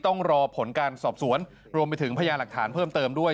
ต้องรอผลการสอบสวนรวมไปถึงพญาหลักฐานเพิ่มเติมด้วย